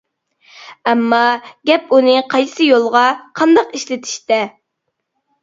ئەمما، گەپ ئۇنى قايسى يولغا، قانداق ئىشلىتىشتە.